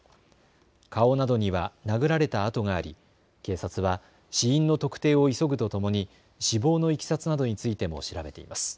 顔などには殴られた痕があり警察は死因の特定を急ぐとともに死亡のいきさつなどについても調べています。